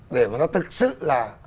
để mà nó thực sự là